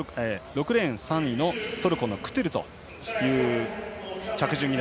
６レーン、３位がトルコのクトゥルという着順です。